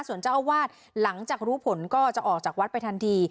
ส่วนเจ้าอาวาสหลังจากรู้ผลก็จะออกจากวัดไปทันที